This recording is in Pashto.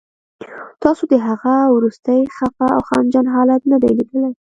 تاسو د هغه وروستی خفه او غمجن حالت نه دی لیدلی